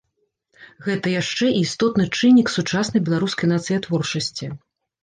Гэта яшчэ і істотны чыннік сучаснай беларускай нацыятворчасці.